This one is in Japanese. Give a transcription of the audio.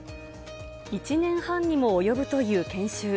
１年半にも及ぶという研修。